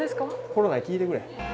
コロナに聞いてくれ。